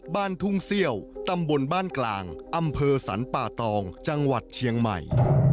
บ้านทุ่งเซี่ยวตำบลบ้านกลางอำเภอสรรป่าตองจังหวัดเชียงใหม่